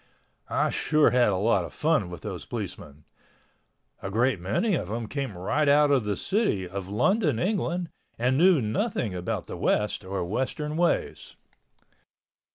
I sure had a lot of fun with those policemen. A great many of them came right out of the city of London, England, and knew nothing about the West or Western ways.